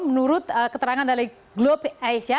menurut keterangan dari globe asia